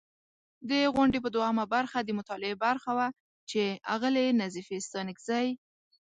د غونډې په دوهمه برخه، د مطالعې برخه وه چې اغلې نظیفې ستانکزۍ